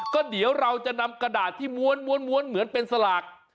ก็เดี๋ยวเราจะนำกระดาษที่ม้วนเหมือนเป็นสลาก